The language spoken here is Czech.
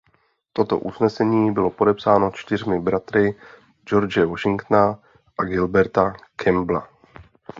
Toto usnesení bylo podepsáno čtyřmi bratry George Washingtona a Gilberta Campbella.